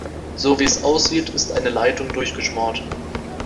So wie es aussieht, ist eine Leitung durchgeschmort.